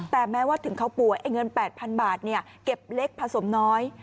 แต่แม้ว่าถึงเขาป่วยเงิน๘๐๐๐บาทเก็บเล็กผสมน้อย